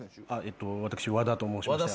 私和田と申しまして。